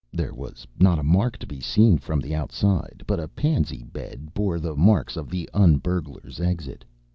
There was not a mark to be seen from the outside, but a pansy bed bore the marks of the un burglar's exit.